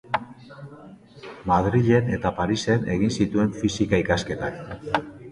Madrilen eta Parisen egin zituen fisika-ikasketak.